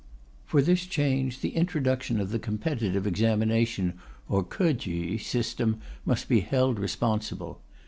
For this change the introduction of the competitive examination or Ko chü system, must be held responsible.